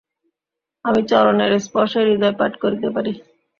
আমি চরণের স্পর্শে হৃদয় পাঠ করিতে পারি।